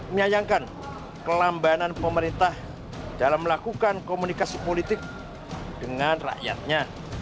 menyayangkan kelambanan pemerintah dalam melakukan komunikasi politik dengan rakyatnya